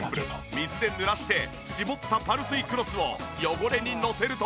水で濡らして絞ったパルスイクロスを汚れにのせると。